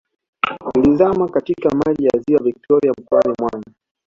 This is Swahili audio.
Ilizama katika maji ya ziwa Victoria mkoani Mwanza